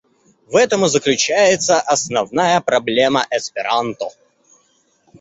В этом и заключается основная проблема эсперанто.